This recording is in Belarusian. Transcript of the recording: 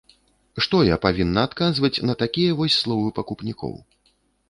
Што я павінна адказваць на такія вось словы пакупнікоў?